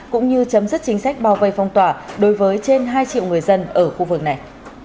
cũng như chấm dứt chính sách bao vây phong tỏa đối với trên hai triệu người dân ở khu vực này